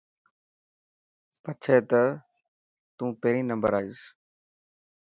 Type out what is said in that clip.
پڇي ته تون پهريون نمبر آئين.